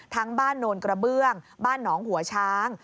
บ้านโนนกระเบื้องบ้านหนองหัวช้าง